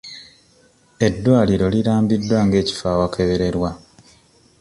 Eddwaliro lirambiddwa nga ekifo awakebererwa.